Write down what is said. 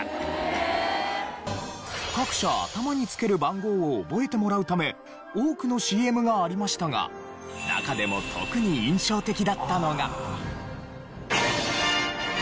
各社頭につける番号を覚えてもらうため多くのＣＭがありましたが中でも特に印象的だったのが。